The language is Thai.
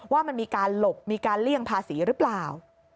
ว่ามันมีการหลบมีการเลี่ยงภาษีหรือเปล่า